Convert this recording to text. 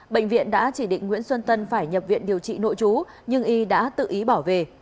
bệnh viện đã chỉ định nguyễn xuân tân phải nhập viện điều trị nội chú nhưng y đã tự ý bỏ về